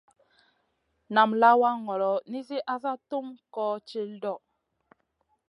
Nam lawa ŋolo nizi asa tum koh til ɗoʼ.